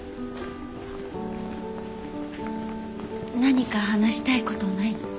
何か話したいことない？